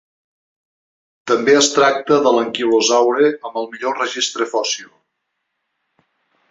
També es tracta de l'anquilosaure amb el millor registre fòssil.